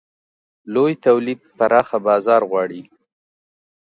لوی تولید پراخه بازار غواړي.